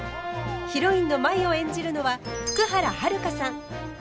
ヒロインの舞を演じるのは福原遥さん。